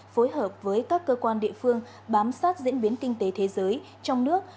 phối hợp với các cơ quan địa phương bám sát diễn biến kinh tế thế giới trong nước